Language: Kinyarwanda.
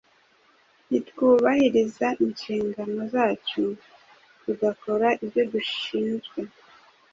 nitwubahiriza inshingano zacu tugakora ibyo dushinzwe